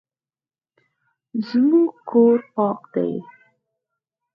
زموږ کور پاک دی